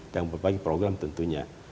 dan berbagi program tentunya